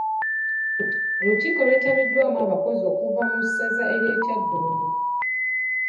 Olukiiko lwetabiddwamu abakozi okuva mu ssaza ly’e Kyaddondo.